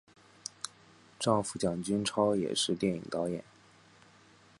丈夫蒋君超也是电影导演。